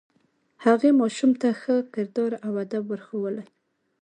هغې خپل ماشوم ته ښه کردار او ادب ور ښوولی